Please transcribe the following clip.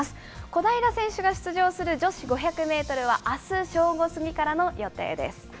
小平選手が出場する女子５００メートルは、あす正午過ぎからの予定です。